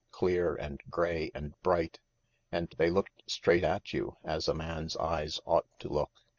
Clear and grey and bright, and they looked straight at you, as a man'seyes ought to look.